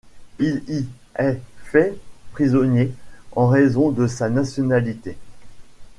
Il y est fait prisonnier en raison de sa nationalité.